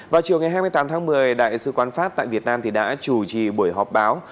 vào chiều ngày hai mươi tám tháng một mươi đại sứ quán pháp tại việt nam đã chủ trì buổi họp báo